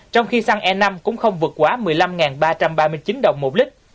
trong khi xăng e năm cũng không vượt quá một mươi năm ba trăm ba mươi chín đồng một lít